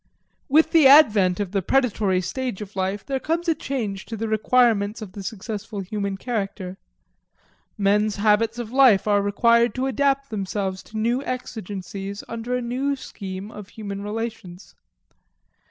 With the advent of the predatory stage of life there comes a change in the requirements of the successful human character. Men's habits of life are required to adapt themselves to new exigencies under a new scheme of human relations.